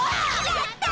やった！